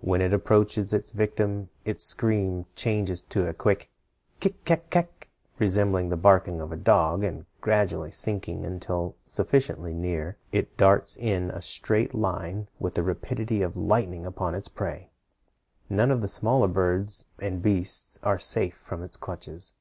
When it approaches its victim its scream changes to a quick kik kak kak, resembling the barking of a dog, and gradually sinking until sufficiently near, it darts in a straight line with the rapidity of lightning upon its prey. None of the smaller birds and beasts are safe from its clutches.